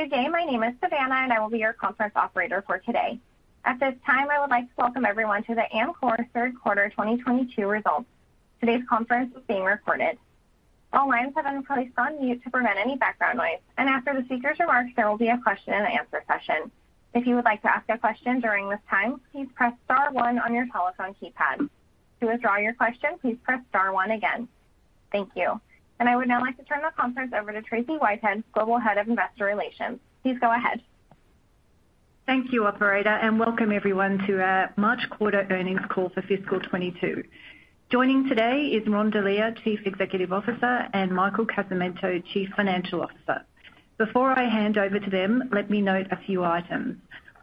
Good day. My name is Savannah, and I will be your conference operator for today. At this time, I would like to welcome everyone to the Amcor Third Quarter 2022 Results. Today's conference is being recorded. All lines have been placed on mute to prevent any background noise, and after the speakers' remarks, there will be a question and answer session. If you would like to ask a question during this time, please press star one on your telephone keypad. To withdraw your question, please press star one again. Thank you. I would now like to turn the conference over to Tracey Whitehead, Global Head of Investor Relations. Please go ahead. Thank you, operator, and welcome everyone to our March quarter earnings call for fiscal 2022. Joining today is Ron Delia, Chief Executive Officer, and Michael Casamento, Chief Financial Officer. Before I hand over to them, let me note a few items.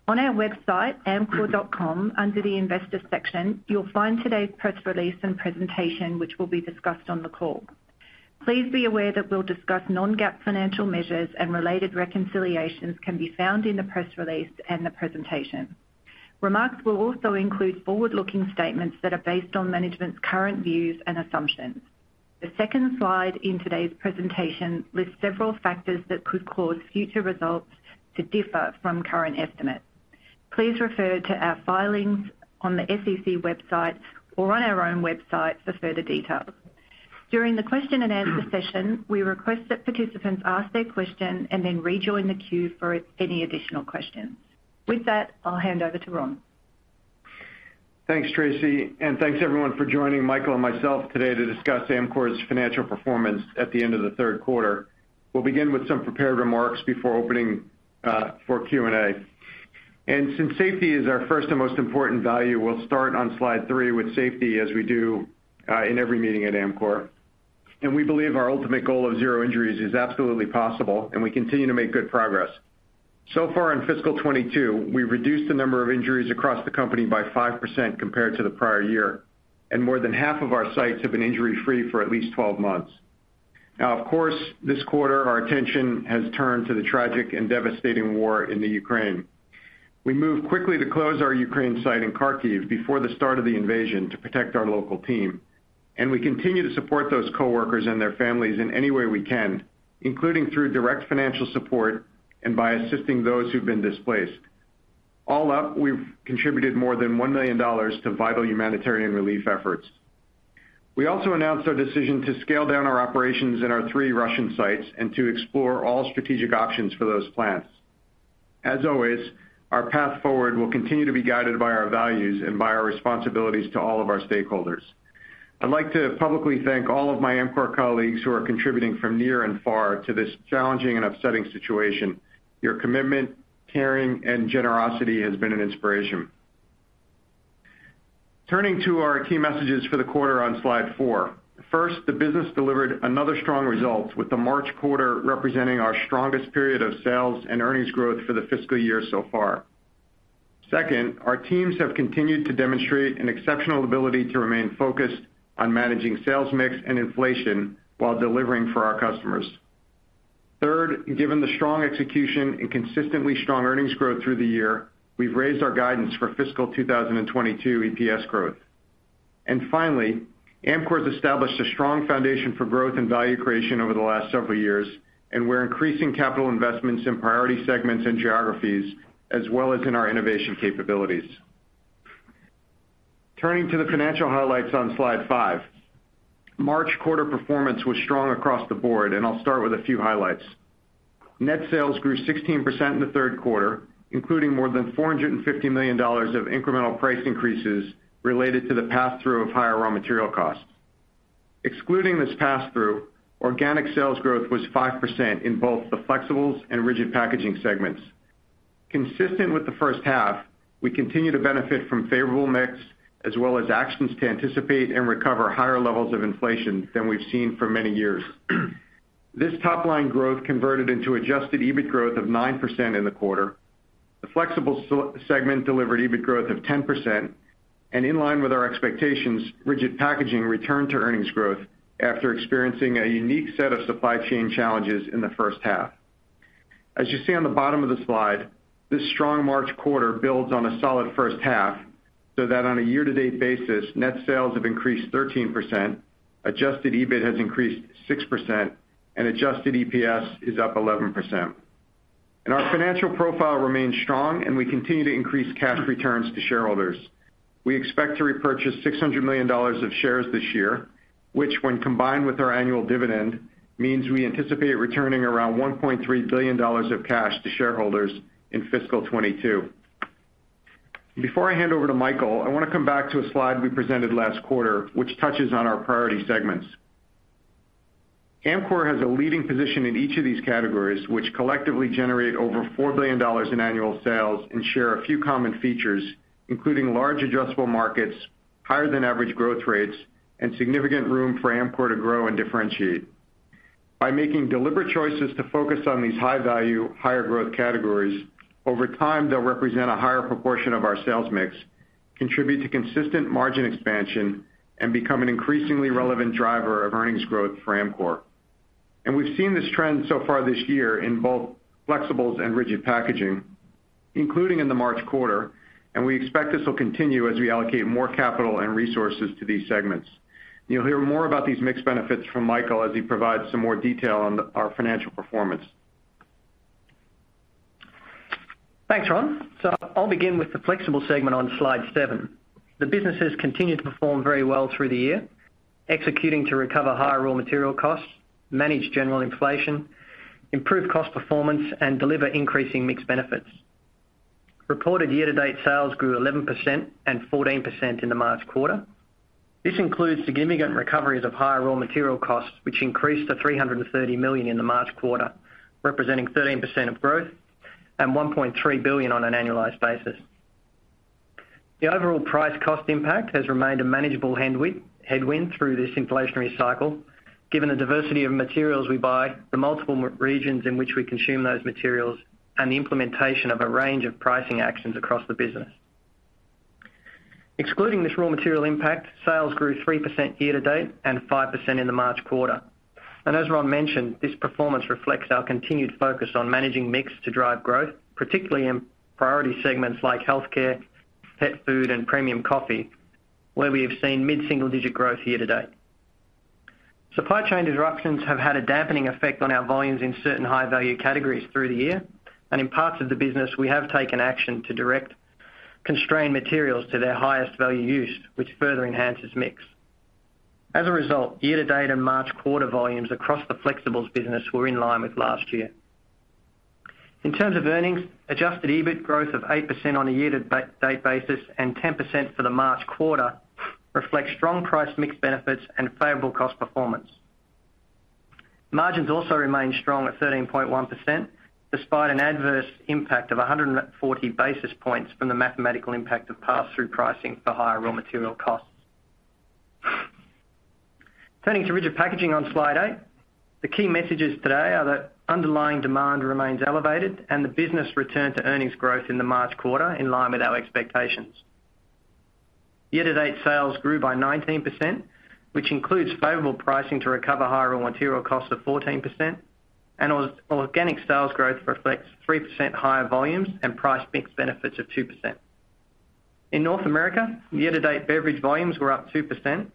On our website, amcor.com, under the investor section, you'll find today's press release and presentation, which will be discussed on the call. Please be aware that we'll discuss non-GAAP financial measures and that related reconciliations can be found in the press release and the presentation. Remarks will also include forward-looking statements that are based on management's current views and assumptions. The second slide in today's presentation lists several factors that could cause future results to differ from current estimates. Please refer to our filings on the SEC website or on our own website for further details. During the question and answer session, we request that participants ask their question and then rejoin the queue for any additional questions. With that, I'll hand over to Ron. Thanks, Tracey, and thanks everyone for joining Michael and myself today to discuss Amcor's financial performance at the end of the third quarter. We'll begin with some prepared remarks before opening for Q&A. Since safety is our first and most important value, we'll start on slide three with safety as we do in every meeting at Amcor. We believe our ultimate goal of zero injuries is absolutely possible, and we continue to make good progress. So far in fiscal 2022, we reduced the number of injuries across the company by 5% compared to the prior year, and more than half of our sites have been injury-free for at least 12 months. Now, of course, this quarter our attention has turned to the tragic and devastating war in the Ukraine. We moved quickly to close our Ukraine site in Kharkiv before the start of the invasion to protect our local team, and we continue to support those coworkers and their families in any way we can, including through direct financial support and by assisting those who've been displaced. All up, we've contributed more than $1 million to vital humanitarian relief efforts. We also announced our decision to scale down our operations in our three Russian sites and to explore all strategic options for those plants. As always, our path forward will continue to be guided by our values and by our responsibilities to all of our stakeholders. I'd like to publicly thank all of my Amcor colleagues who are contributing from near and far to this challenging and upsetting situation. Your commitment, caring, and generosity has been an inspiration. Turning to our key messages for the quarter on slide four. First, the business delivered another strong result with the March quarter representing our strongest period of sales and earnings growth for the fiscal year so far. Second, our teams have continued to demonstrate an exceptional ability to remain focused on managing sales mix and inflation while delivering for our customers. Third, given the strong execution and consistently strong earnings growth through the year, we've raised our guidance for fiscal 2022 EPS growth. Finally, Amcor's established a strong foundation for growth and value creation over the last several years, and we're increasing capital investments in priority segments and geographies, as well as in our innovation capabilities. Turning to the financial highlights on slide five. March quarter performance was strong across the board, and I'll start with a few highlights. Net sales grew 16% in the third quarter, including more than $450 million of incremental price increases related to the pass-through of higher raw material costs. Excluding this pass-through, organic sales growth was 5% in both the flexibles and rigid packaging segments. Consistent with the first half, we continue to benefit from favorable mix as well as actions to anticipate and recover higher levels of inflation than we've seen for many years. This top-line growth converted into adjusted EBIT growth of 9% in the quarter. The flexible segment delivered EBIT growth of 10%. In line with our expectations, rigid packaging returned to earnings growth after experiencing a unique set of supply chain challenges in the first half. As you see on the bottom of the slide, this strong March quarter builds on a solid first half so that on a year-to-date basis, net sales have increased 13%, adjusted EBIT has increased 6%, and adjusted EPS is up 11%. Our financial profile remains strong, and we continue to increase cash returns to shareholders. We expect to repurchase $600 million of shares this year, which when combined with our annual dividend, means we anticipate returning around $1.3 billion of cash to shareholders in fiscal 2022. Before I hand over to Michael, I wanna come back to a slide we presented last quarter, which touches on our priority segments. Amcor has a leading position in each of these categories, which collectively generate over $4 billion in annual sales and share a few common features, including large adjustable markets, higher than average growth rates, and significant room for Amcor to grow and differentiate. By making deliberate choices to focus on these high-value, higher growth categories, over time they'll represent a higher proportion of our sales mix, contribute to consistent margin expansion, and become an increasingly relevant driver of earnings growth for Amcor. We've seen this trend so far this year in both flexibles and rigid packaging, including in the March quarter, and we expect this will continue as we allocate more capital and resources to these segments. You'll hear more about these mixed benefits from Michael as he provides some more detail on our financial performance. Thanks, Ron. I'll begin with the Flexible segment on Slide seven. The businesses continued to perform very well through the year, executing to recover higher raw material costs, manage general inflation, improve cost performance, and deliver increasing mixed benefits. Reported year-to-date sales grew 11% and 14% in the March quarter. This includes significant recoveries of higher raw material costs, which increased to $330 million in the March quarter, representing 13% of growth and $1.3 billion on an annualized basis. The overall price cost impact has remained a manageable headwind through this inflationary cycle, given the diversity of materials we buy, the multiple regions in which we consume those materials, and the implementation of a range of pricing actions across the business. Excluding this raw material impact, sales grew 3% year-to-date and 5% in the March quarter. As Ron mentioned, this performance reflects our continued focus on managing mix to drive growth, particularly in priority segments like healthcare, pet food and premium coffee, where we have seen mid-single-digit growth year-to-date. Supply chain disruptions have had a dampening effect on our volumes in certain high value categories through the year. In parts of the business, we have taken action to direct constrained materials to their highest value use, which further enhances mix. As a result, year-to-date and March quarter volumes across the Flexibles business were in line with last year. In terms of earnings, adjusted EBIT growth of 8% on a year-to-date basis and 10% for the March quarter reflects strong price/mix benefits and favorable cost performance. Margins also remain strong at 13.1%, despite an adverse impact of 140 basis points from the mathematical impact of pass-through pricing for higher raw material costs. Turning to Rigid Packaging on Slide eight, the key messages today are that underlying demand remains elevated and the business return to earnings growth in the March quarter in line with our expectations. Year-to-date sales grew by 19%, which includes favorable pricing to recover higher raw material costs of 14%, and organic sales growth reflects 3% higher volumes and price mix benefits of 2%. In North America, year-to-date beverage volumes were up 2%.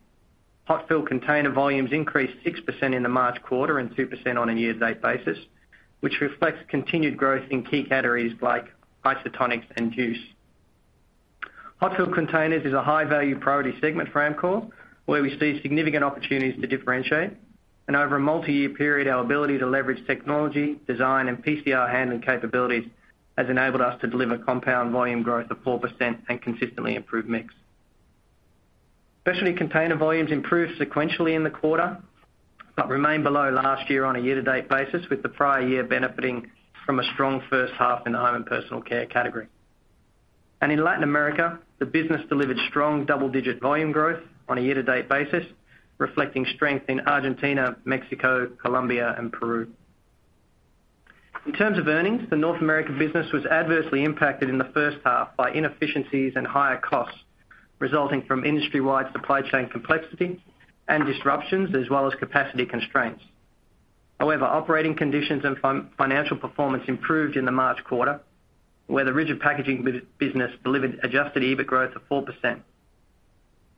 Hot fill container volumes increased 6% in the March quarter and 2% on a year-to-date basis, which reflects continued growth in key categories like isotonics and juice. Hot fill containers is a high value priority segment for Amcor, where we see significant opportunities to differentiate. Over a multi-year period, our ability to leverage technology, design and PCR handling capabilities has enabled us to deliver compound volume growth of 4% and consistently improve mix. Specialty container volumes improved sequentially in the quarter, but remained below last year on a year-to-date basis, with the prior year benefiting from a strong first half in the home and personal care category. In Latin America, the business delivered strong double-digit volume growth on a year-to-date basis, reflecting strength in Argentina, Mexico, Colombia and Peru. In terms of earnings, the North America business was adversely impacted in the first half by inefficiencies and higher costs, resulting from industry-wide supply chain complexity and disruptions, as well as capacity constraints. However, operating conditions and financial performance improved in the March quarter, where the Rigid Packaging business delivered adjusted EBIT growth of 4%.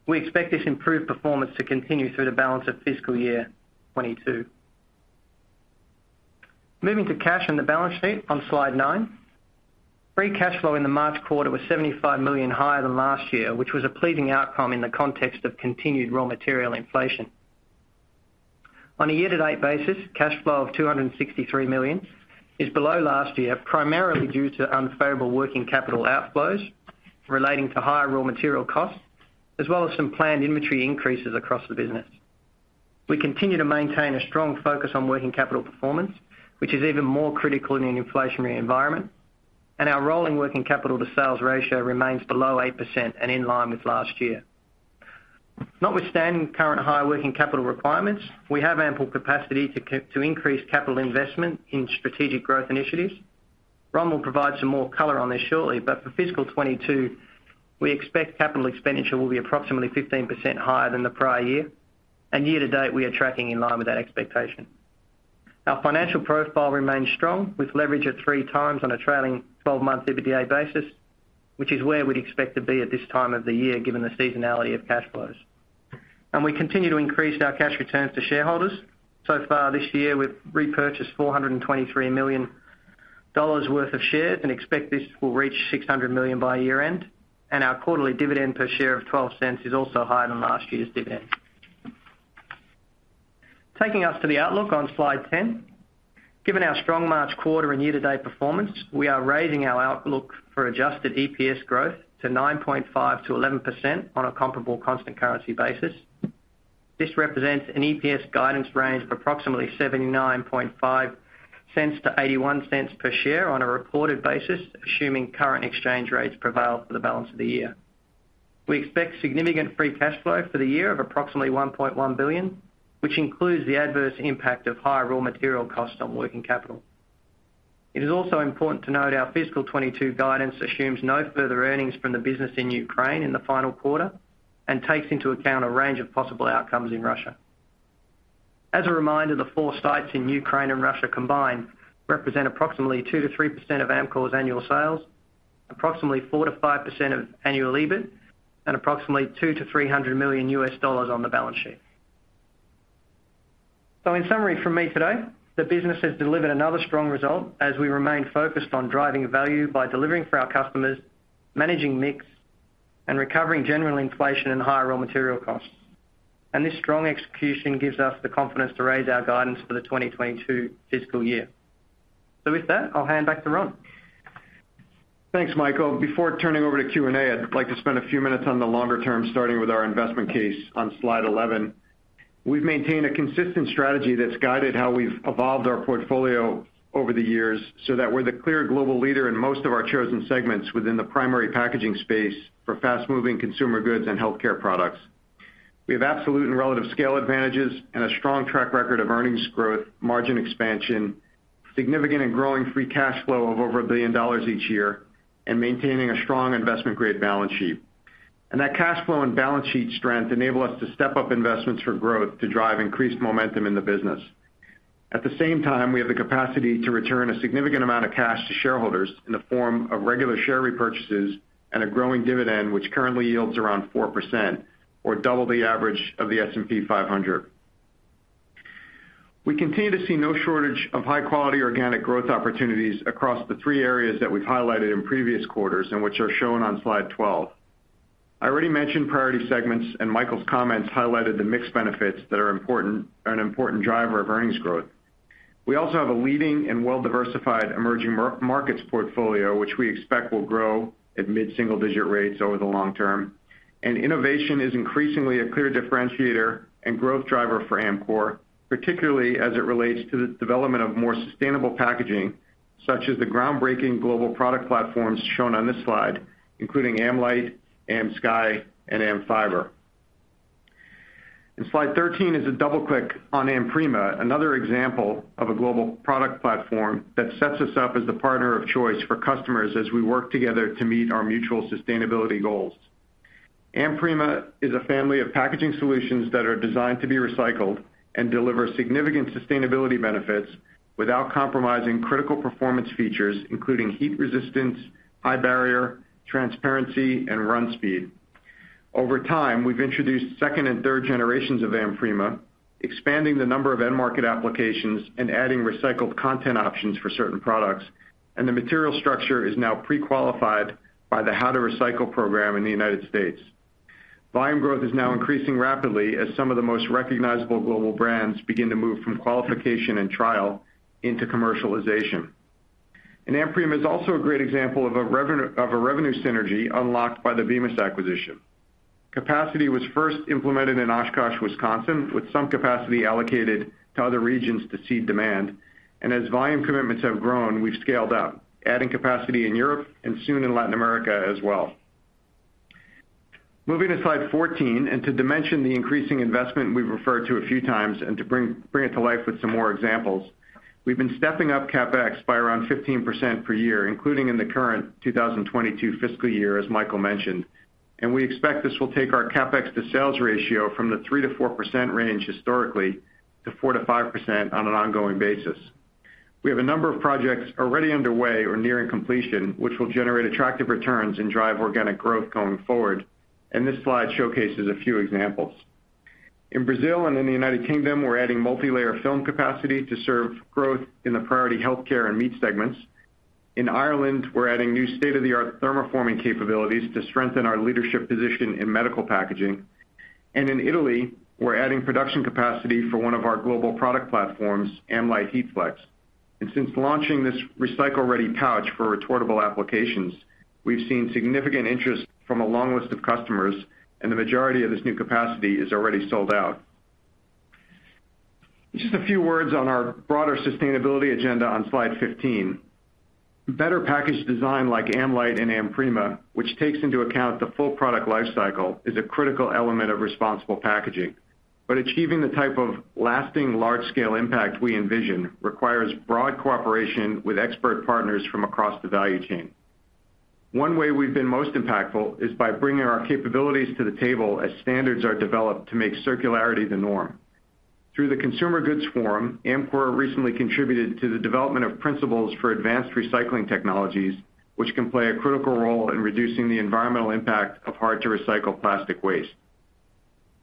We expect this improved performance to continue through the balance of fiscal year 2022. Moving to cash and the balance sheet on Slide nine. Free cash flow in the March quarter was $75 million higher than last year, which was a pleasing outcome in the context of continued raw material inflation. On a year-to-date basis, cash flow of $263 million is below last year, primarily due to unfavorable working capital outflows relating to higher raw material costs, as well as some planned inventory increases across the business. We continue to maintain a strong focus on working capital performance, which is even more critical in an inflationary environment, and our rolling working capital to sales ratio remains below 8% and in line with last year. Notwithstanding current higher working capital requirements, we have ample capacity to increase capital investment in strategic growth initiatives. Ron will provide some more color on this shortly, but for fiscal 2022, we expect capital expenditure will be approximately 15% higher than the prior year. Year-to-date, we are tracking in line with that expectation. Our financial profile remains strong, with leverage of 3x on a trailing 12-month EBITDA basis, which is where we'd expect to be at this time of the year, given the seasonality of cash flows. We continue to increase our cash returns to shareholders. So far this year, we've repurchased $423 million worth of shares and expect this will reach $600 million by year-end. Our quarterly dividend per share of $0.12 is also higher than last year's dividend. Taking us to the outlook on Slide 10. Given our strong March quarter and year-to-date performance, we are raising our outlook for adjusted EPS growth to 9.5%-11% on a comparable constant currency basis. This represents an EPS guidance range of approximately $0.795-$0.81 per share on a reported basis, assuming current exchange rates prevail for the balance of the year. We expect significant free cash flow for the year of approximately $1.1 billion, which includes the adverse impact of higher raw material costs on working capital. It is also important to note our fiscal 2022 guidance assumes no further earnings from the business in Ukraine in the final quarter, and takes into account a range of possible outcomes in Russia. As a reminder, the four sites in Ukraine and Russia combined represent approximately 2%-3% of Amcor's annual sales, approximately 4%-5% of annual EBIT, and approximately $200 million-$300 million on the balance sheet. In summary from me today, the business has delivered another strong result as we remain focused on driving value by delivering for our customers, managing mix, and recovering general inflation and higher raw material costs. This strong execution gives us the confidence to raise our guidance for the 2022 fiscal year. With that, I'll hand back to Ron. Thanks, Michael. Before turning over to Q&A, I'd like to spend a few minutes on the longer term, starting with our investment case on slide 11. We've maintained a consistent strategy that's guided how we've evolved our portfolio over the years so that we're the clear global leader in most of our chosen segments within the primary packaging space for fast-moving consumer goods and healthcare products. We have absolute and relative scale advantages and a strong track record of earnings growth, margin expansion, significant and growing free cash flow of over $1 billion each year, and maintaining a strong investment-grade balance sheet. That cash flow and balance sheet strength enable us to step up investments for growth to drive increased momentum in the business. At the same time, we have the capacity to return a significant amount of cash to shareholders in the form of regular share repurchases and a growing dividend, which currently yields around 4% or double the average of the S&P 500. We continue to see no shortage of high-quality organic growth opportunities across the three areas that we've highlighted in previous quarters and which are shown on slide 12. I already mentioned priority segments, and Michael's comments highlighted the mixed benefits that are an important driver of earnings growth. We also have a leading and well-diversified emerging markets portfolio, which we expect will grow at mid-single digit rates over the long term. Innovation is increasingly a clear differentiator and growth driver for Amcor, particularly as it relates to the development of more sustainable packaging, such as the groundbreaking global product platforms shown on this slide, including AmLite, AmSky, and AmFiber. In slide 13 is a double-click on AmPrima, another example of a global product platform that sets us up as the partner of choice for customers as we work together to meet our mutual sustainability goals. AmPrima is a family of packaging solutions that are designed to be recycled and deliver significant sustainability benefits without compromising critical performance features, including heat resistance, high barrier, transparency, and run speed. Over time, we've introduced second and third generations of AmPrima, expanding the number of end-market applications and adding recycled content options for certain products, and the material structure is now pre-qualified by the How2Recycle program in the United States. Volume growth is now increasing rapidly as some of the most recognizable global brands begin to move from qualification and trial into commercialization. AmPrima is also a great example of a revenue synergy unlocked by the Bemis acquisition. Capacity was first implemented in Oshkosh, Wisconsin, with some capacity allocated to other regions to seed demand. As volume commitments have grown, we've scaled up, adding capacity in Europe and soon in Latin America as well. Moving to slide 14 and to dimension the increasing investment we've referred to a few times and to bring it to life with some more examples. We've been stepping up CapEx by around 15% per year, including in the current 2022 fiscal year, as Michael mentioned. We expect this will take our CapEx to sales ratio from the 3%-4% range historically to 4%-5% on an ongoing basis. We have a number of projects already underway or nearing completion, which will generate attractive returns and drive organic growth going forward, and this slide showcases a few examples. In Brazil and in the United Kingdom, we're adding multilayer film capacity to serve growth in the priority healthcare and meat segments. In Ireland, we're adding new state-of-the-art thermoforming capabilities to strengthen our leadership position in medical packaging. In Italy, we're adding production capacity for one of our global product platforms, AmLite HeatFlex. Since launching this recycle-ready pouch for retortable applications, we've seen significant interest from a long list of customers, and the majority of this new capacity is already sold out. Just a few words on our broader sustainability agenda on slide 15. Better package design like AmLite and AmPrima, which takes into account the full product life cycle, is a critical element of responsible packaging. Achieving the type of lasting large-scale impact we envision requires broad cooperation with expert partners from across the value chain. One way we've been most impactful is by bringing our capabilities to the table as standards are developed to make circularity the norm. Through the Consumer Goods Forum, Amcor recently contributed to the development of principles for advanced recycling technologies, which can play a critical role in reducing the environmental impact of hard-to-recycle plastic waste.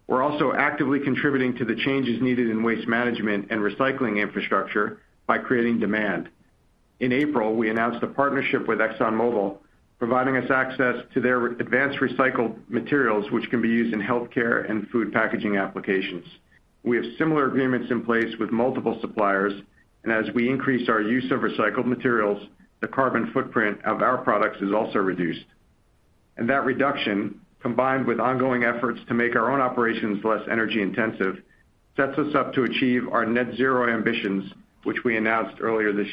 We're also actively contributing to the changes needed in waste management and recycling infrastructure by creating demand. In April, we announced a partnership with ExxonMobil, providing us access to their advanced recycled materials, which can be used in healthcare and food packaging applications. We have similar agreements in place with multiple suppliers, and as we increase our use of recycled materials, the carbon footprint of our products is also reduced. That reduction, combined with ongoing efforts to make our own operations less energy-intensive, sets us up to achieve our net zero ambitions, which we announced earlier this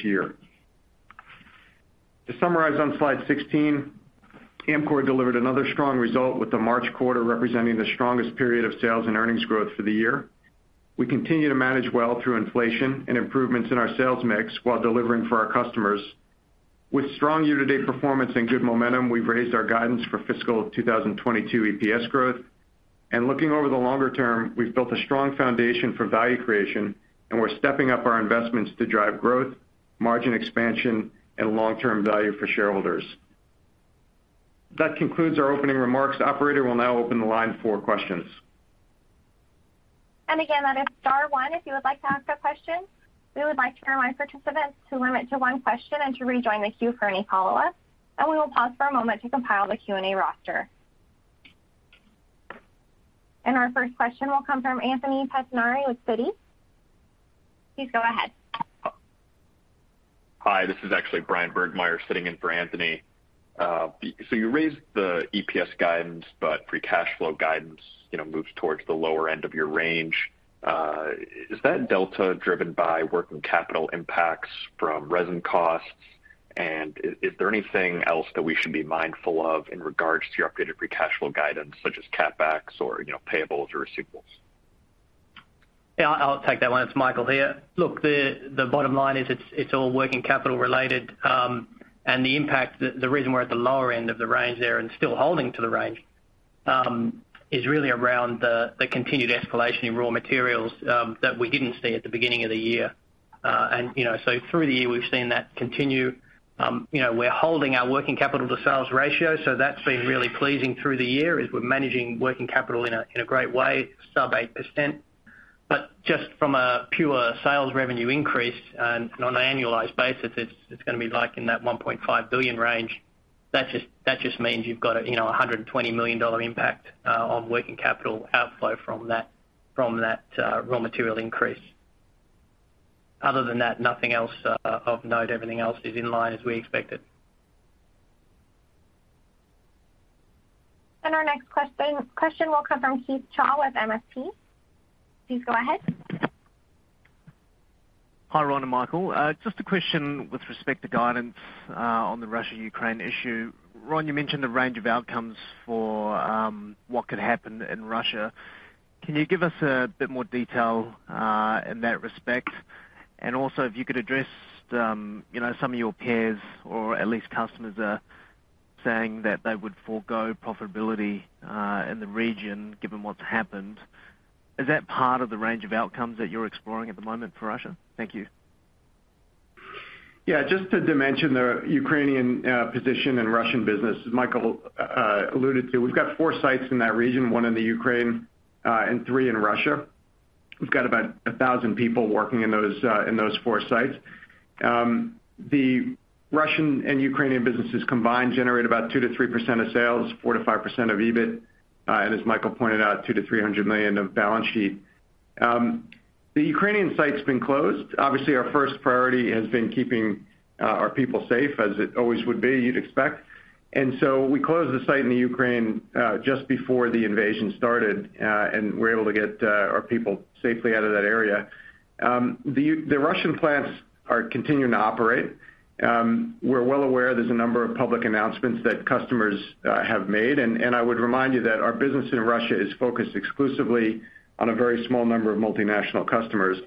year. To summarize on slide 16, Amcor delivered another strong result with the March quarter representing the strongest period of sales and earnings growth for the year. We continue to manage well through inflation and improvements in our sales mix while delivering for our customers. With strong year-to-date performance and good momentum, we've raised our guidance for fiscal 2022 EPS growth. Looking over the longer term, we've built a strong foundation for value creation, and we're stepping up our investments to drive growth, margin expansion, and long-term value for shareholders. That concludes our opening remarks. Operator, we'll now open the line for questions. Again, that is star one if you would like to ask a question. We would like to remind participants to limit to one question and to rejoin the queue for any follow-ups. We will pause for a moment to compile the Q&A roster. Our first question will come from Anthony Pettinari with Citi. Please go ahead. Hi, this is actually Bryan Burgmeier sitting in for Anthony. You raised the EPS guidance, but free cash flow guidance, you know, moves towards the lower end of your range. Is that delta driven by working capital impacts from resin costs? Is there anything else that we should be mindful of in regards to your updated free cash flow guidance, such as CapEx or, you know, payables or receivables? Yeah, I'll take that one. It's Michael here. Look, the bottom line is it's all working capital related, and the impact, the reason we're at the lower end of the range there and still holding to the range, is really around the continued escalation in raw materials, that we didn't see at the beginning of the year. You know, through the year, we've seen that continue. You know, we're holding our working capital to sales ratio, so that's been really pleasing through the year is we're managing working capital in a great way, sub 8%. But just from a pure sales revenue increase and on an annualized basis, it's gonna be like in that $1.5 billion range. That just means you've got a, you know, a $120 million impact on working capital outflow from that raw material increase. Other than that, nothing else of note. Everything else is in line as we expected. Our next question will come from Keith Chau with MST. Please go ahead. Hi, Ron and Michael. Just a question with respect to guidance on the Russia-Ukraine issue. Ron, you mentioned the range of outcomes for what could happen in Russia. Can you give us a bit more detail in that respect? Also if you could address, you know, some of your peers or at least customers are saying that they would forgo profitability in the region given what's happened. Is that part of the range of outcomes that you're exploring at the moment for Russia? Thank you. Yeah, just to dimension the Ukrainian position in Russian business, as Michael alluded to, we've got four sites in that region, one in Ukraine and three in Russia. We've got about 1,000 people working in those four sites. The Russian and Ukrainian businesses combined generate about 2%-3% of sales, 4%-5% of EBIT, and as Michael pointed out, $200 million-$300 million of balance sheet. The Ukrainian site's been closed. Obviously, our first priority has been keeping our people safe as it always would be, you'd expect. We closed the site in Ukraine just before the invasion started and were able to get our people safely out of that area. The Russian plants are continuing to operate. We're well aware there's a number of public announcements that customers have made, and I would remind you that our business in Russia is focused exclusively on a very small number of multinational customers,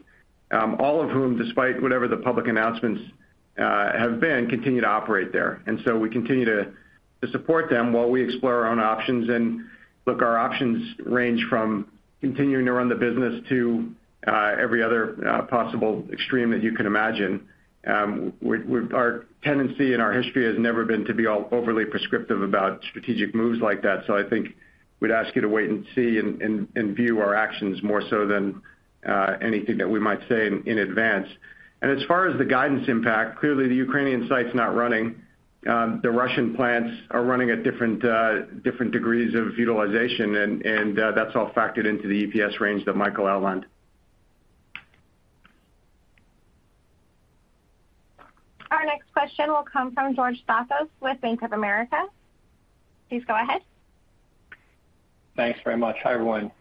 all of whom, despite whatever the public announcements have been, continue to operate there. We continue to support them while we explore our own options. Look, our options range from continuing to run the business to every other possible extreme that you can imagine. Our tendency and our history has never been to be all overly prescriptive about strategic moves like that. I think we'd ask you to wait and see and view our actions more so than anything that we might say in advance. As far as the guidance impact, clearly the Ukrainian site's not running. The Russian plants are running at different degrees of utilization and that's all factored into the EPS range that Michael outlined. Our next question will come from George Staphos with Bank of America. Please go ahead. Thanks very much. Hi, everyone.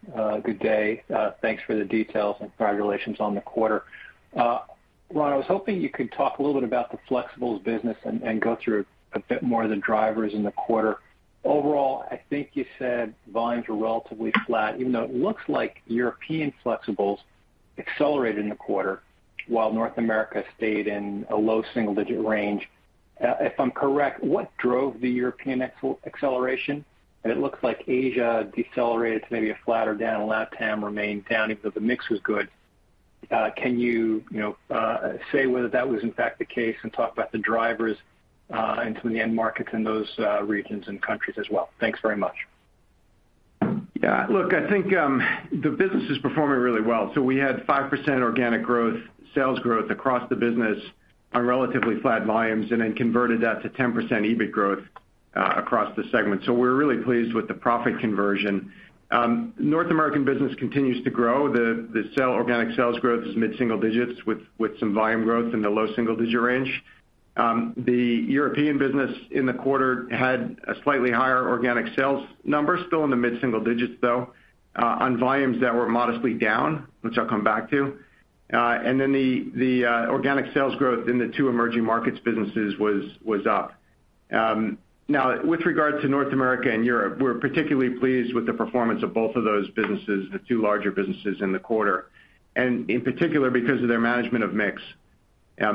Good day. Thanks for the details and congratulations on the quarter. Ron, I was hoping you could talk a little bit about the flexibles business and go through a bit more of the drivers in the quarter. Overall, I think you said volumes were relatively flat, even though it looks like European flexibles accelerated in the quarter while North America stayed in a low single-digit range. If I'm correct, what drove the European acceleration? It looks like Asia decelerated to maybe a flat or down. LatAm remained down even though the mix was good. Can you say whether that was in fact the case and talk about the drivers and to the end markets in those regions and countries as well? Thanks very much. Yeah. Look, I think, the business is performing really well. We had 5% organic growth, sales growth across the business on relatively flat volumes, and then converted that to 10% EBIT growth across the segment. We're really pleased with the profit conversion. North American business continues to grow. The organic sales growth is mid-single digits with some volume growth in the low single-digit range. The European business in the quarter had a slightly higher organic sales number, still in the mid-single digits, though, on volumes that were modestly down, which I'll come back to. Then organic sales growth in the two emerging markets businesses was up. Now with regard to North America and Europe, we're particularly pleased with the performance of both of those businesses, the two larger businesses in the quarter, and in particular because of their management of mix.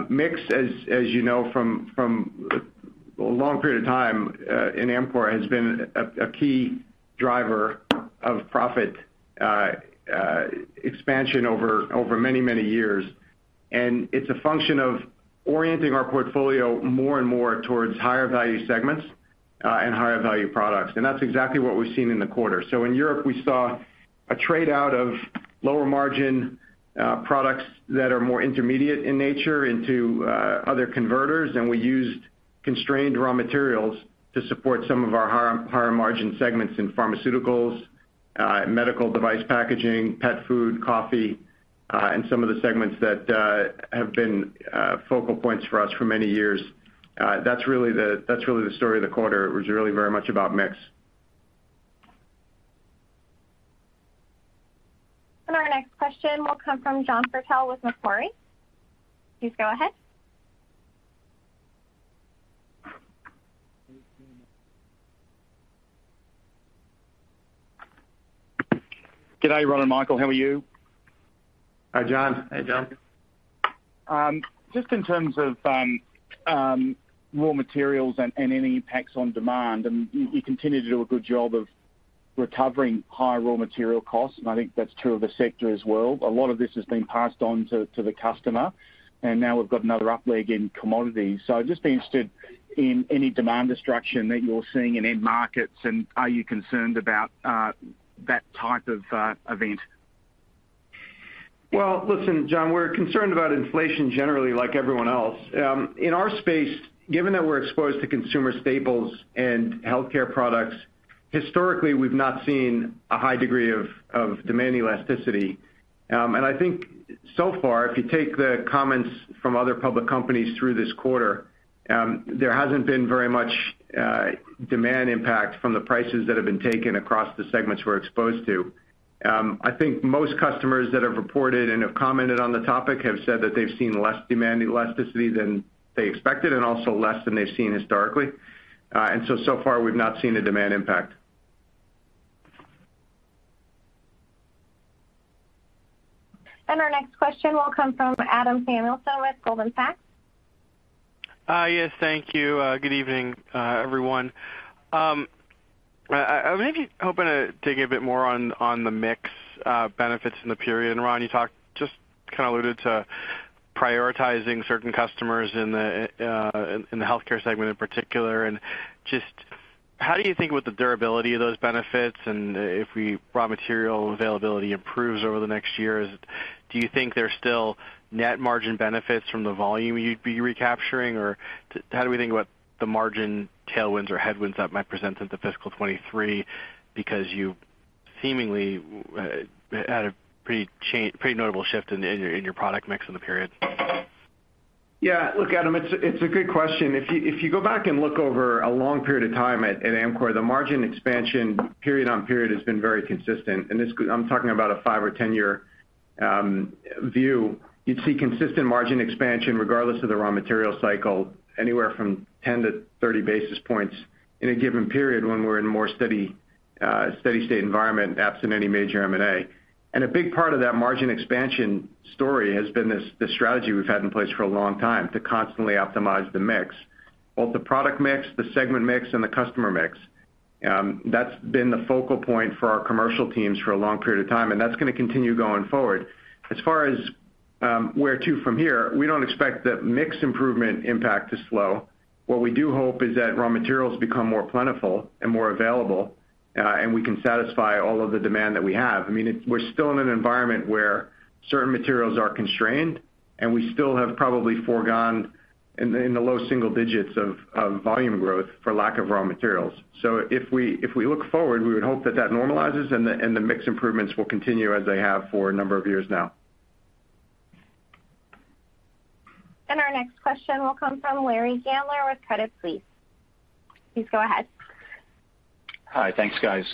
Mix, as you know from a long period of time, in Amcor has been a key driver of profit expansion over many years. It's a function of orienting our portfolio more and more towards higher value segments and higher value products. That's exactly what we've seen in the quarter. In Europe, we saw a trade-out of lower margin products that are more intermediate in nature into other converters. We used constrained raw materials to support some of our higher margin segments in pharmaceuticals, medical device packaging, pet food, coffee, and some of the segments that have been focal points for us for many years. That's really the story of the quarter. It was really very much about mix. Our next question will come from John Purtell with Macquarie. Please go ahead. Good day, Ron and Michael, how are you? Hi, John. Hi, John. Just in terms of raw materials and any impacts on demand, and you continue to do a good job of recovering higher raw material costs, and I think that's true of the sector as well. A lot of this has been passed on to the customer, and now we've got another up leg in commodities. Just be interested in any demand destruction that you're seeing in end markets, and are you concerned about that type of event? Well, listen, John, we're concerned about inflation generally like everyone else. In our space, given that we're exposed to consumer staples and healthcare products, historically, we've not seen a high degree of demand elasticity. I think so far, if you take the comments from other public companies through this quarter, there hasn't been very much demand impact from the prices that have been taken across the segments we're exposed to. I think most customers that have reported and have commented on the topic have said that they've seen less demand elasticity than they expected and also less than they've seen historically. So far, we've not seen a demand impact. Our next question will come from Adam Samuelson with Goldman Sachs. Hi. Yes, thank you. Good evening, everyone. I was maybe hoping to dig a bit more on the mix benefits in the period. Ron, you talked just kind of alluded to prioritizing certain customers in the healthcare segment in particular. Just how do you think with the durability of those benefits and if raw material availability improves over the next years, do you think there's still net margin benefits from the volume you'd be recapturing? Or how do we think about the margin tailwinds or headwinds that might present into fiscal 2023 because you seemingly had a pretty notable shift in your product mix in the period? Yeah. Look, Adam, it's a good question. If you go back and look over a long period of time at Amcor, the margin expansion period on period has been very consistent. This, I'm talking about a five or 10-year view. You'd see consistent margin expansion regardless of the raw material cycle, anywhere from 10-30 basis points in a given period when we're in a more steady-state environment absent any major M&A. A big part of that margin expansion story has been this strategy we've had in place for a long time to constantly optimize the mix, both the product mix, the segment mix, and the customer mix. That's been the focal point for our commercial teams for a long period of time, and that's gonna continue going forward. As far as where to from here, we don't expect the mix improvement impact to slow. What we do hope is that raw materials become more plentiful and more available, and we can satisfy all of the demand that we have. I mean, we're still in an environment where certain materials are constrained, and we still have probably foregone in the low single digits of volume growth for lack of raw materials. If we look forward, we would hope that that normalizes, and the mix improvements will continue as they have for a number of years now. Our next question will come from Larry Gandler with Credit Suisse. Please go ahead. Hi. Thanks, guys.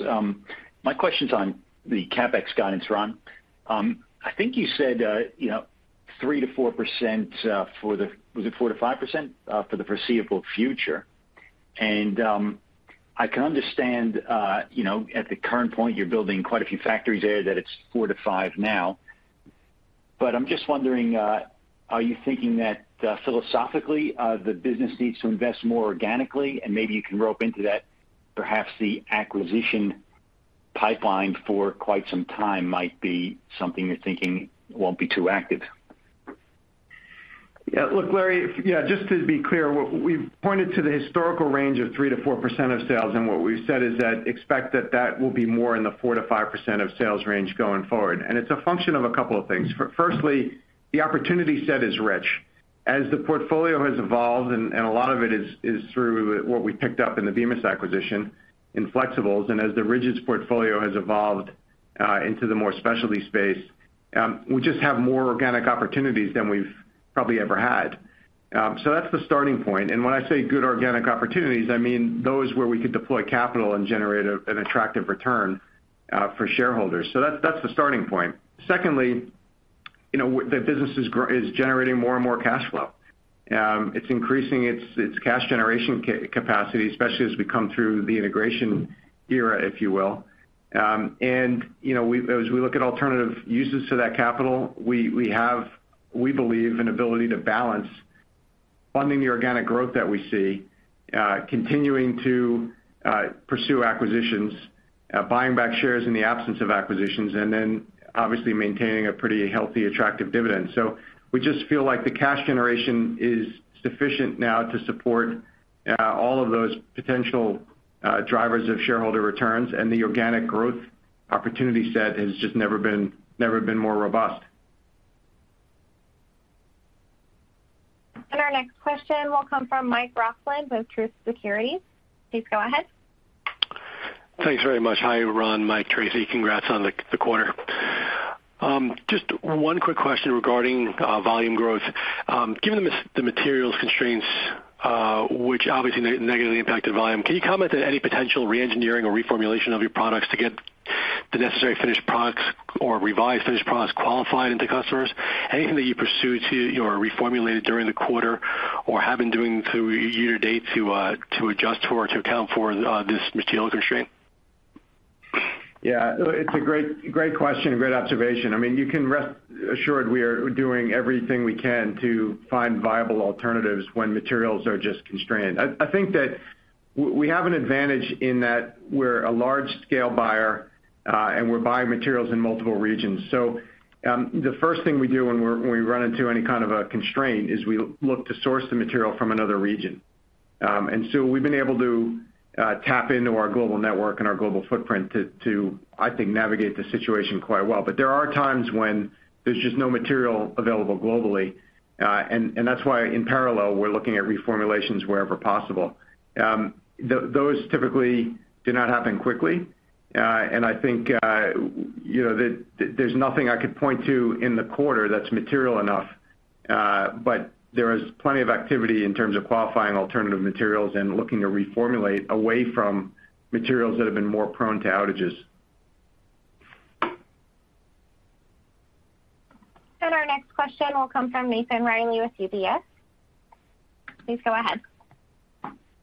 My question's on the CapEx guidance, Ron. I think you said, you know, 3%-4%. Was it 4%-5% for the foreseeable future? I can understand, you know, at the current point, you're building quite a few factories there that it's 4%-5% now. I'm just wondering, are you thinking that, philosophically, the business needs to invest more organically? Maybe you can rope into that perhaps the acquisition pipeline for quite some time might be something you're thinking won't be too active. Yeah. Look, Larry, yeah, just to be clear, we've pointed to the historical range of 3%-4% of sales, and what we've said is that we expect that to be more in the 4%-5% of sales range going forward. It's a function of a couple of things. Firstly, the opportunity set is rich. As the portfolio has evolved, and a lot of it is through what we picked up in the Bemis acquisition in flexibles, and as the rigids portfolio has evolved into the more specialty space, we just have more organic opportunities than we've probably ever had. So that's the starting point. When I say good organic opportunities, I mean those where we could deploy capital and generate an attractive return for shareholders. So that's the starting point. Secondly, you know, the business is generating more and more cash flow. It's increasing its cash generation capacity, especially as we come through the integration era, if you will. You know, as we look at alternative uses to that capital, we have, we believe, an ability to balance funding the organic growth that we see, continuing to pursue acquisitions, buying back shares in the absence of acquisitions, and then obviously maintaining a pretty healthy, attractive dividend. We just feel like the cash generation is sufficient now to support all of those potential drivers of shareholder returns, and the organic growth opportunity set has just never been more robust. Our next question will come from Mike Roxland with Truist Securities. Please go ahead. Thanks very much. Hi, Ron, Mike, Tracy, congrats on the quarter. Just one quick question regarding volume growth. Given the materials constraints, which obviously negatively impacted volume, can you comment on any potential reengineering or reformulation of your products to get the necessary finished products or revised finished products qualified into customers? Anything that you pursue to or reformulated during the quarter or have been doing through year to date to adjust for or to account for this material constraint? Yeah. It's a great question, a great observation. I mean, you can rest assured we are doing everything we can to find viable alternatives when materials are just constrained. I think that we have an advantage in that we're a large-scale buyer, and we're buying materials in multiple regions. The first thing we do when we run into any kind of a constraint is we look to source the material from another region. We've been able to tap into our global network and our global footprint to, I think, navigate the situation quite well. There are times when there's just no material available globally, and that's why in parallel, we're looking at reformulations wherever possible. Those typically do not happen quickly. I think, you know, that there's nothing I could point to in the quarter that's material enough, but there is plenty of activity in terms of qualifying alternative materials and looking to reformulate away from materials that have been more prone to outages. Our next question will come from Nathan Reilly with UBS. Please go ahead.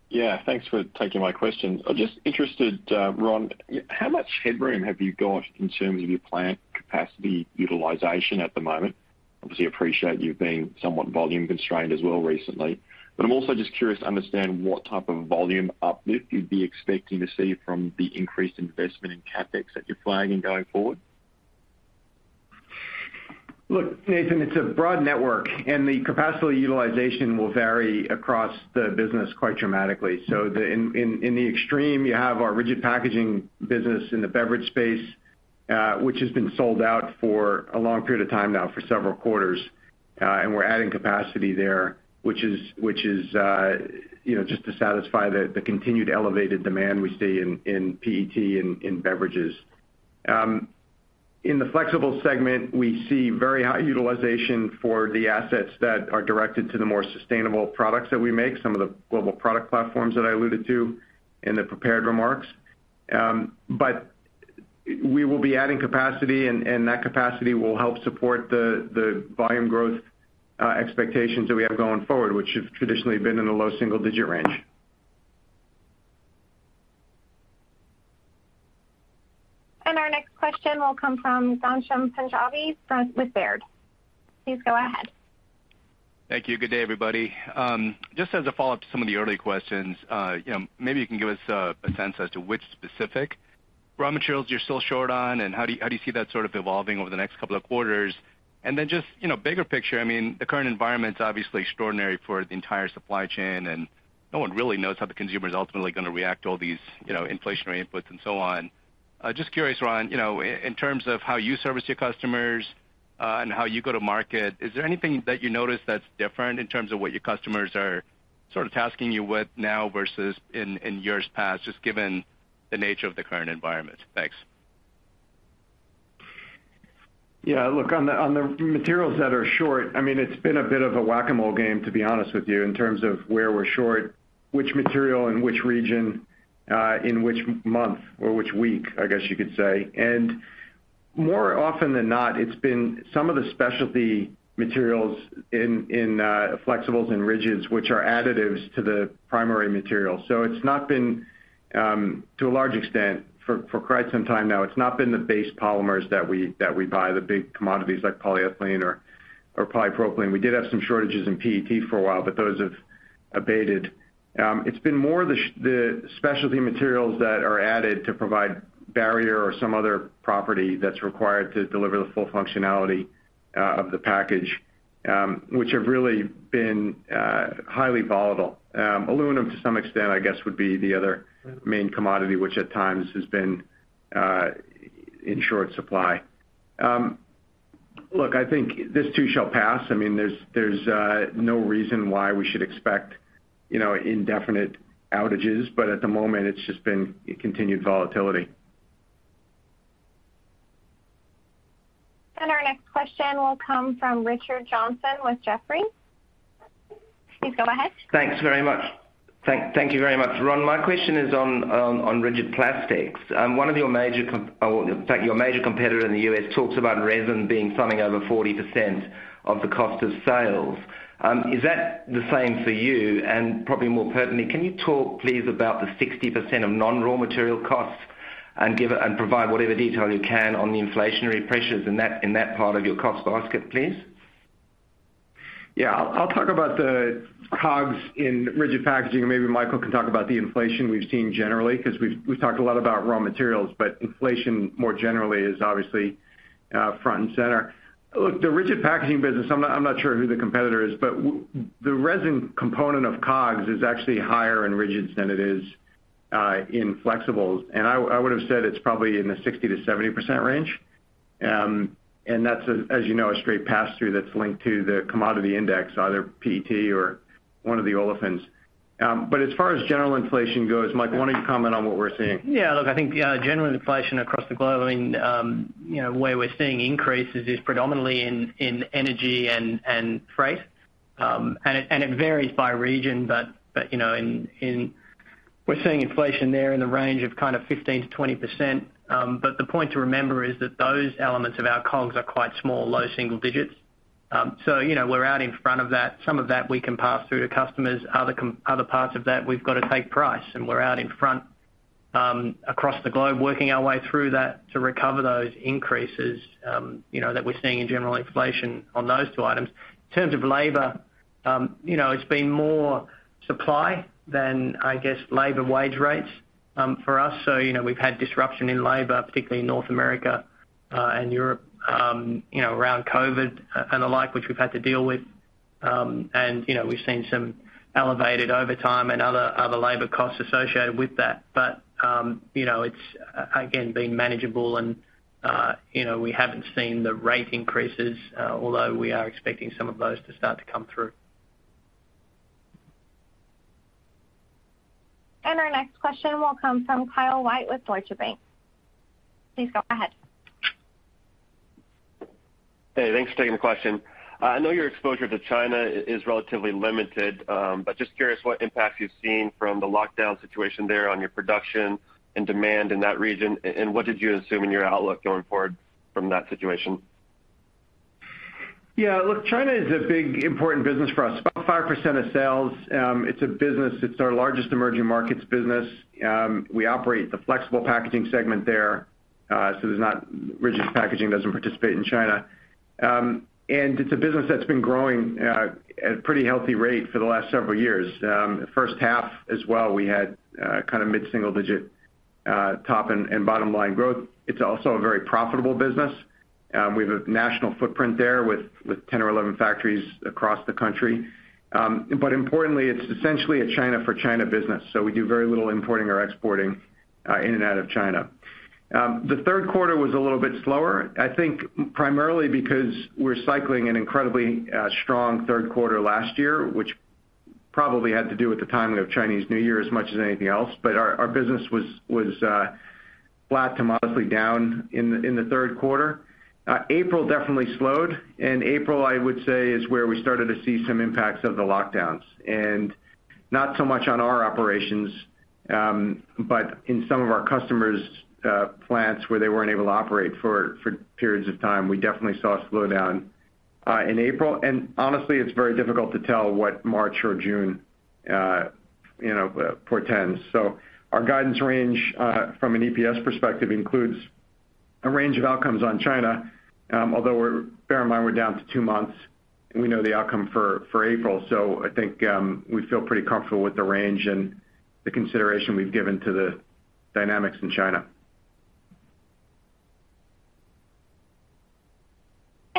Yeah, thanks for taking my question. I'm just interested, Ron, how much headroom have you got in terms of your plant capacity utilization at the moment? Obviously, appreciate you've been somewhat volume constrained as well recently, but I'm also just curious to understand what type of volume uplift you'd be expecting to see from the increased investment in CapEx that you're flagging going forward. Look, Nathan, it's a broad network, and the capacity utilization will vary across the business quite dramatically. In the extreme, you have our rigid packaging business in the beverage space, which has been sold out for a long period of time now for several quarters, and we're adding capacity there, which is, you know, just to satisfy the continued elevated demand we see in PET in beverages. In the flexible segment, we see very high utilization for the assets that are directed to the more sustainable products that we make, some of the global product platforms that I alluded to in the prepared remarks. We will be adding capacity, and that capacity will help support the volume growth expectations that we have going forward, which have traditionally been in the low single-digit range. Our next question will come from Ghansham Panjabi with Baird. Please go ahead. Thank you. Good day, everybody. Just as a follow-up to some of the earlier questions, you know, maybe you can give us a sense as to which specific raw materials you're still short on, and how do you see that sort of evolving over the next couple of quarters? Just, you know, bigger picture, I mean, the current environment's obviously extraordinary for the entire supply chain, and no one really knows how the consumer is ultimately gonna react to all these, you know, inflationary inputs and so on. Just curious, Ron, you know, in terms of how you service your customers, and how you go to market, is there anything that you notice that's different in terms of what your customers are sort of tasking you with now versus in years past, just given the nature of the current environment? Thanks. Yeah. Look, on the materials that are short, I mean, it's been a bit of a Whack-A-Mole game, to be honest with you, in terms of where we're short, which material in which region, in which month or which week, I guess you could say. More often than not, it's been some of the specialty materials in flexibles and rigids, which are additives to the primary material. It's not been, to a large extent, for quite some time now, the base polymers that we buy, the big commodities like polyethylene or polypropylene. We did have some shortages in PET for a while, but those have abated. It's been more the specialty materials that are added to provide barrier or some other property that's required to deliver the full functionality of the package, which have really been highly volatile. Aluminum to some extent, I guess, would be the other main commodity, which at times has been in short supply. Look, I think this too shall pass. I mean, there's no reason why we should expect, you know, indefinite outages. At the moment, it's just been a continued volatility. Our next question will come from Richard Johnson with Jefferies. Please go ahead. Thanks very much. Thank you very much, Ron. My question is on rigid plastics. One of your major, or in fact, your major competitor in the U.S. talks about resin being something over 40% of the cost of sales. Is that the same for you? Probably more pertinently, can you talk, please, about the 60% of non-raw material costs and provide whatever detail you can on the inflationary pressures in that part of your cost basket, please? Yeah. I'll talk about the COGS in rigid packaging, and maybe Michael can talk about the inflation we've seen generally, 'cause we've talked a lot about raw materials, but inflation more generally is obviously front and center. Look, the rigid packaging business, I'm not sure who the competitor is, but the resin component of COGS is actually higher in rigids than it is in flexibles. I would've said it's probably in the 60%-70% range. That's, as you know, a straight pass-through that's linked to the commodity index, either PET or one of the olefins. As far as general inflation goes, Mike, why don't you comment on what we're seeing? Yeah. Look, I think general inflation across the globe, I mean, you know, where we're seeing increases is predominantly in energy and freight. It varies by region, but you know, we're seeing inflation there in the range of kind of 15%-20%. The point to remember is that those elements of our COGS are quite small, low single digits. You know, we're out in front of that. Some of that we can pass through to customers. Other parts of that, we've got to take price, and we're out in front across the globe, working our way through that to recover those increases, you know, that we're seeing in general inflation on those two items. In terms of labor, you know, it's been more supply than, I guess, labor wage rates, for us. You know, we've had disruption in labor, particularly in North America, and Europe, you know, around COVID and the like, which we've had to deal with. You know, we've seen some elevated overtime and other labor costs associated with that. You know, it's again been manageable and, you know, we haven't seen the rate increases, although we are expecting some of those to start to come through. Our next question will come from Kyle White with Deutsche Bank. Please go ahead. Hey, thanks for taking the question. I know your exposure to China is relatively limited, but just curious what impact you've seen from the lockdown situation there on your production and demand in that region, and what did you assume in your outlook going forward from that situation? Yeah. Look, China is a big important business for us, about 5% of sales. It's a business that's our largest emerging markets business. We operate the flexible packaging segment there. Rigid packaging doesn't participate in China. It's a business that's been growing at a pretty healthy rate for the last several years. The first half as well, we had kind of mid-single digit top and bottom line growth. It's also a very profitable business. We have a national footprint there with 10 or 11 factories across the country. Importantly, it's essentially a China for China business, so we do very little importing or exporting in and out of China. The third quarter was a little bit slower, I think primarily because we're cycling an incredibly strong third quarter last year, which probably had to do with the timing of Chinese New Year as much as anything else. Our business was flat to modestly down in the third quarter. April definitely slowed, and April, I would say, is where we started to see some impacts of the lockdowns. Not so much on our operations, but in some of our customers' plants where they weren't able to operate for periods of time, we definitely saw a slowdown in April. Honestly, it's very difficult to tell what March or June you know portends. Our guidance range from an EPS perspective includes a range of outcomes on China, although bear in mind, we're down to two months and we know the outcome for April. I think we feel pretty comfortable with the range and the consideration we've given to the dynamics in China.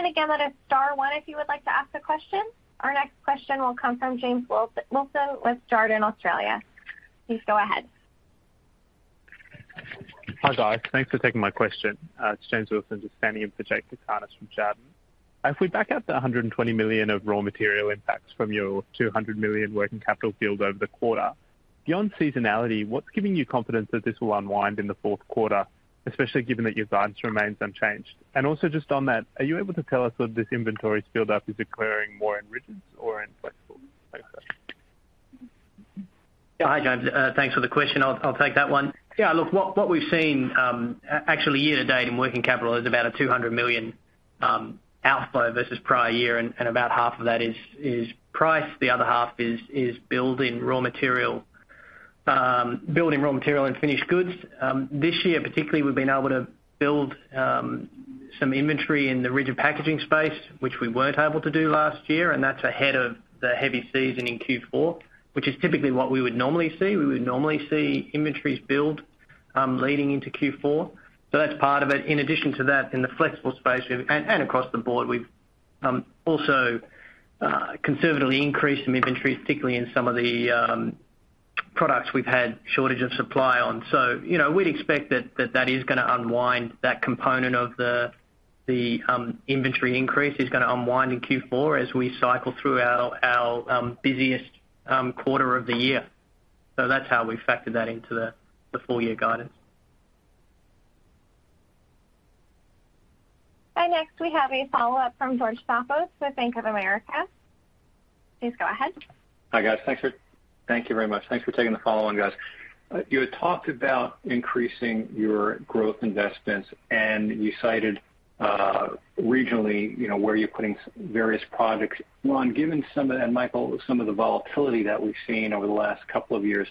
Again, that is star one if you would like to ask a question. Our next question will come from James Wilson with Jarden Australia. Please go ahead. Hi, guys. Thanks for taking my question. It's James Wilson, just standing in for Jakob Cakarnis from Jarden. If we back out the $120 million of raw material impacts from your $200 million working capital build over the quarter, beyond seasonality, what's giving you confidence that this will unwind in the fourth quarter, especially given that your guidance remains unchanged? Also just on that, are you able to tell us whether this inventory build up is occurring more in rigids or in flexible? Thanks guys. Yeah. Hi, James. Thanks for the question. I'll take that one. Yeah, look, what we've seen actually year-to-date in working capital is about $200 million outflow versus prior year, and about half of that is price, the other half is build in raw material and finished goods. This year particularly, we've been able to build some inventory in the rigid packaging space, which we weren't able to do last year, and that's ahead of the heavy season in Q4, which is typically what we would normally see. We would normally see inventories build leading into Q4. That's part of it. In addition to that, in the flexible space and across the board, we've also conservatively increased some inventory, particularly in some of the products we've had shortage of supply on. You know, we'd expect that is gonna unwind. That component of the inventory increase is gonna unwind in Q4 as we cycle through our busiest quarter of the year. That's how we factored that into the full year guidance. We have a follow-up from George Staphos with Bank of America. Please go ahead. Hi, guys. Thank you very much. Thanks for taking the follow-on, guys. You had talked about increasing your growth investments, and you cited, regionally, you know, where you're putting various products. Ron, given some of that, and Michael, some of the volatility that we've seen over the last couple of years,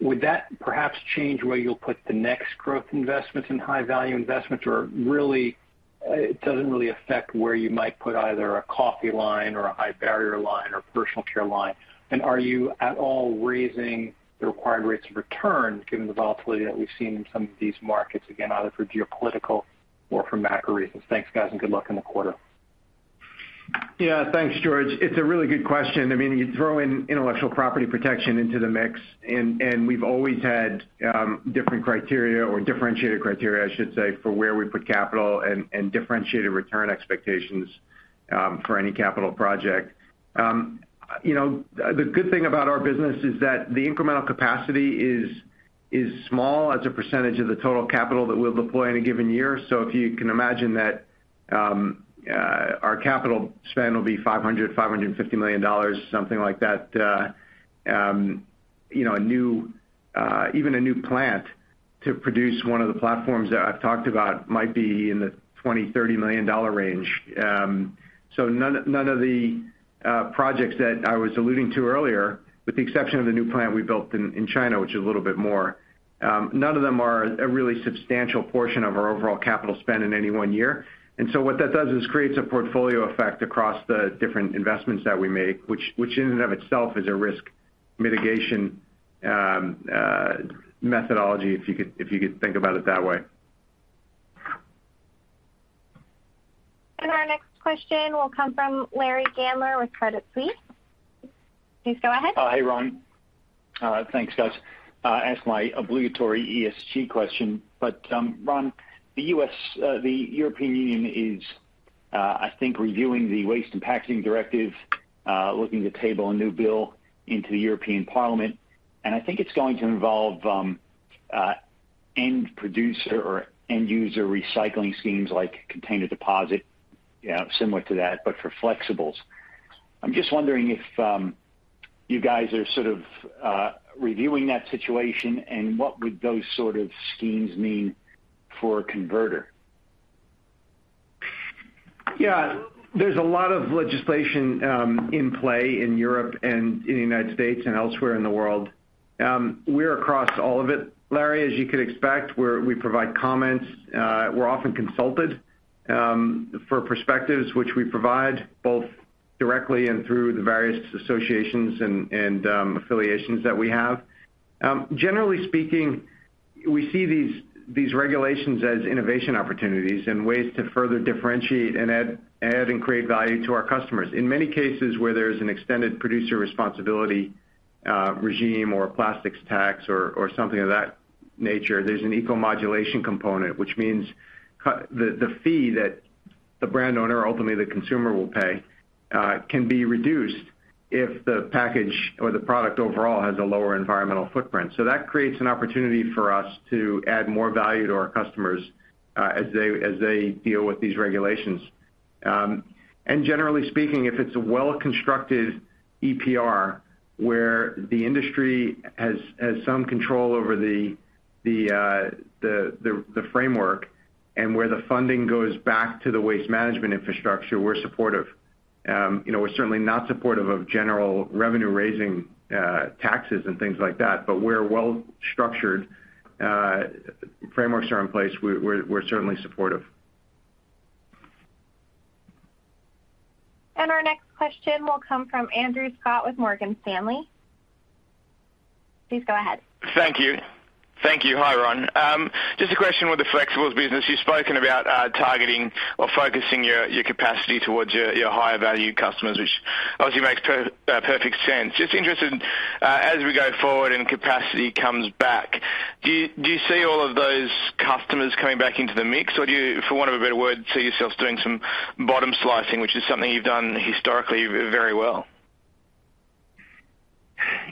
would that perhaps change where you'll put the next growth investments in high value investments? Or really, it doesn't really affect where you might put either a coffee line or a high barrier line or personal care line. Are you at all raising the required rates of return given the volatility that we've seen in some of these markets, again, either for geopolitical or for macro reasons? Thanks, guys, and good luck in the quarter. Yeah. Thanks, George. It's a really good question. I mean, you throw in intellectual property protection into the mix, and we've always had different criteria or differentiated criteria, I should say, for where we put capital and differentiated return expectations for any capital project. You know, the good thing about our business is that the incremental capacity is small as a percentage of the total capital that we'll deploy in a given year. So if you can imagine that, our capital spend will be $500 million-$550 million, something like that, you know, even a new plant to produce one of the platforms that I've talked about might be in the $20 million-$30 million range. None of the projects that I was alluding to earlier, with the exception of the new plant we built in China, which is a little bit more, none of them are a really substantial portion of our overall capital spend in any one year. What that does is creates a portfolio effect across the different investments that we make, which in and of itself is a risk mitigation methodology, if you could think about it that way. Our next question will come from Larry Gandler with Credit Suisse. Please go ahead. Oh, hey, Ron. Thanks, guys. Ask my obligatory ESG question. Ron, the European Union is, I think, reviewing the Packaging and Packaging Waste Directive, looking to table a new bill into the European Parliament, and I think it's going to involve extended producer or end-user recycling schemes like container deposit, you know, similar to that, but for flexibles. I'm just wondering if you guys are sort of reviewing that situation and what would those sort of schemes mean for a converter? Yeah. There's a lot of legislation in play in Europe and in the United States and elsewhere in the world. We're across all of it. Larry, as you could expect, we provide comments. We're often consulted for perspectives which we provide both directly and through the various associations and affiliations that we have. Generally speaking, we see these regulations as innovation opportunities and ways to further differentiate and add and create value to our customers. In many cases, where there's an extended producer responsibility regime or plastics tax or something of that nature, there's an eco-modulation component, which means the fee that the brand owner or ultimately the consumer will pay can be reduced if the package or the product overall has a lower environmental footprint. That creates an opportunity for us to add more value to our customers, as they deal with these regulations. Generally speaking, if it's a well-constructed EPR where the industry has some control over the framework and where the funding goes back to the waste management infrastructure, we're supportive. You know, we're certainly not supportive of general revenue-raising taxes and things like that, but well-structured frameworks are in place. We're certainly supportive. Our next question will come from Andrew Scott with Morgan Stanley. Please go ahead. Thank you. Thank you. Hi, Ron. Just a question with the flexibles business. You've spoken about targeting or focusing your capacity towards your higher value customers, which obviously makes perfect sense. Just interested in as we go forward and capacity comes back, do you see all of those customers coming back into the mix? Or do you, for want of a better word, see yourselves doing some bottom slicing, which is something you've done historically very well?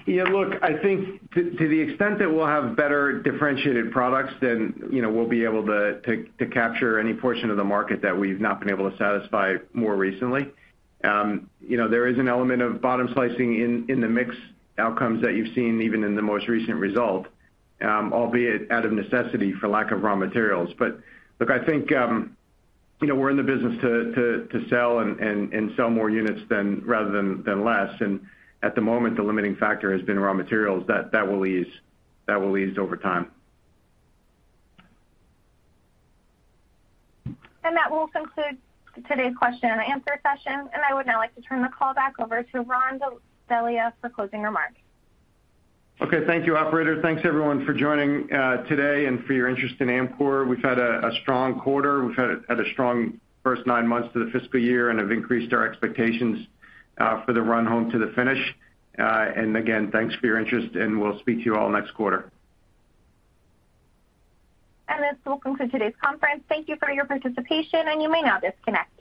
Yeah, look, I think to the extent that we'll have better differentiated products than, you know, we'll be able to capture any portion of the market that we've not been able to satisfy more recently. You know, there is an element of bottom slicing in the mix outcomes that you've seen even in the most recent result, albeit out of necessity for lack of raw materials. Look, I think, you know, we're in the business to sell and sell more units rather than less. At the moment, the limiting factor has been raw materials. That will ease over time. That will conclude today's question and answer session. I would now like to turn the call back over to Ron Delia for closing remarks. Okay. Thank you, operator. Thanks, everyone, for joining today and for your interest in Amcor. We've had a strong quarter. We've had a strong first nine months to the fiscal year and have increased our expectations for the run home to the finish. Again, thanks for your interest, and we'll speak to you all next quarter. This will conclude today's conference. Thank you for your participation, and you may now disconnect.